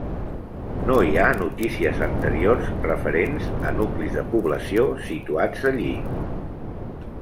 No hi ha notícies anteriors referents a nuclis de població situats allí.